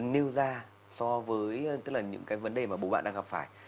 nêu ra so với những cái vấn đề mà bố bạn đang gặp phải